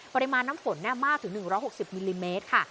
ปริมาณน้ำฝนมากถึง๑๖๐มิลลิเมตรค่ะ